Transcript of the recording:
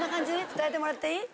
伝えてもらっていい？